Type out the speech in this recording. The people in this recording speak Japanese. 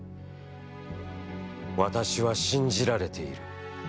私は、信じられている。